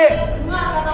gue gak tau